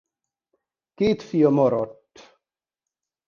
Két fia maradt.